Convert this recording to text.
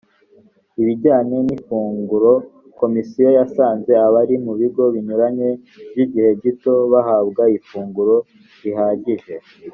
ibijyanye n ifunguro komisiyo yasanze abari mu bigo binyurwamo by igihe gito bahabwa ifunguro rihagije